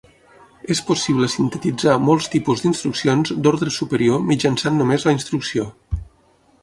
És possible sintetitzar molts tipus d'instruccions d'ordre superior mitjançant només la instrucció.